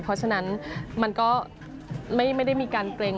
เพราะฉะนั้นมันก็ไม่ได้มีการเกรง